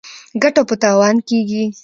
ګټه په تاوان کیږي.